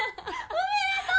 おめでとう！